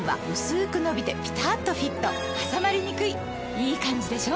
いいカンジでしょ？